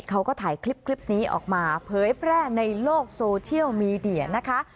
เขาก็ถ่ายคลิปนี้ออกมาเผยแพร่ในโลกโซเชียลมีเดียนะคะ